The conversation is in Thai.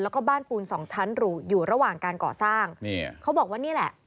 แล้วก็บ้านปูนสองชั้นอยู่ระหว่างการก่อสร้างนี่เขาบอกว่านี่แหละ